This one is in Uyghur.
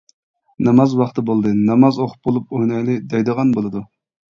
ناماز ۋاقتى بولدى، ناماز ئوقۇپ بولۇپ ئوينايلى دەيدىغان بولىدۇ.